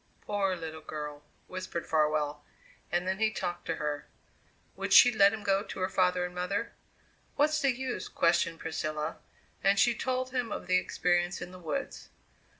"Poor little girl!" whispered Farwell, and then he talked to her. Would she let him go to her father and mother? "What's the use?" questioned Priscilla, and she told him of the experience in the woods.